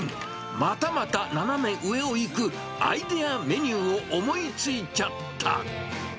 またまた斜め上をいくアイデアメニューを思いついちゃった。